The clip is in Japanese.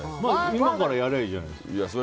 今からやればいいじゃないですか。